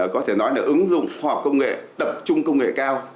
có thể nói là ứng dụng hóa công nghệ tập trung công nghệ cao